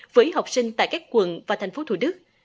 với học sinh tại các quận và thành phố thủ đức